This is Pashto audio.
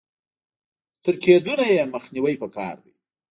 تر کېدونه يې مخنيوی په کار دی.